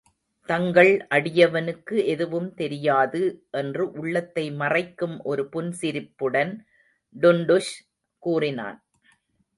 தங்கள் அடியவனுக்கு எதுவும் தெரியாது! என்று உள்ளத்தை மறைக்கும் ஒரு புன்சிரிப்புடன் டுன்டுஷ் கூறினான்.